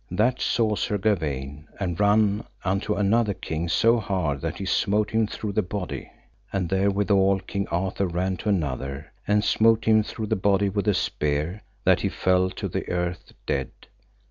That saw Sir Gawaine, and ran unto another king so hard that he smote him through the body. And therewithal King Arthur ran to another, and smote him through the body with a spear, that he fell to the earth dead.